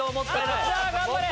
さぁ頑張れ！